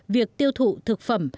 việc tiêu thụ thực phẩm